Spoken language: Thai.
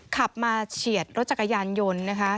ขับมาเฉียดรถจักรยานยนต์นะคะ